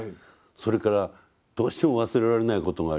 「それからどうしても忘れられないことがあります。